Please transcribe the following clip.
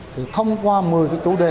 thì thông qua một mươi chủ đề ở trên